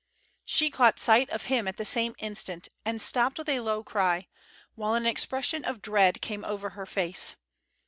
She caught sight of him at the same instant and stopped with a low cry, while an expression of dread came over her face.